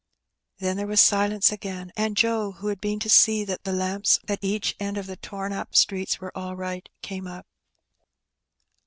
Then there was silence again^ and Jc 3 — who had been to see that the lamps at each end of the tom up streets were all right — came up.